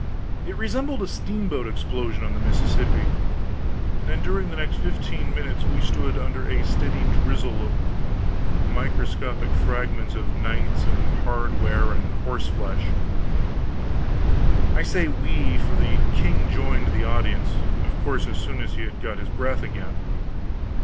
It resembled a steamboat explosion on the Mississippi; and during the next fifteen minutes we stood under a steady drizzle of microscopic fragments of knights and hardware and horse flesh. I say we, for the king joined the audience, of course, as soon as he had got his breath again.